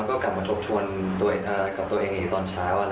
ก็จะมีช่วงตัวเองอยู่ตอนเช้า